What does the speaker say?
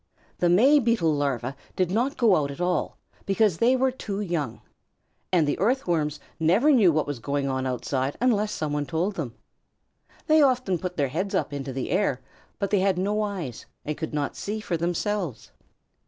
The May Beetle larvæ did not go out at all, because they were too young, and the Earthworms never knew what was going on outside unless somebody told them. They often put their heads up into the air, but they had no eyes and could not see for themselves.